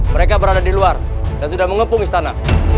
mereka berada di luar dan sudah mengepung istana